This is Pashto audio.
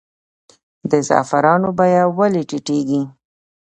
د زعفرانو بیه ولې ټیټیږي؟